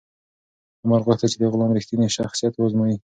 عمر غوښتل چې د غلام رښتینی شخصیت و ازمایي.